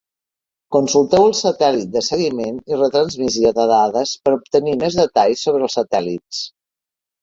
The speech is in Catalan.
Consulteu el satèl·lit de seguiment i retransmissió de dades per obtenir més detalls sobre els satèl·lits.